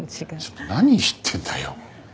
ちょっと何言ってんだよ！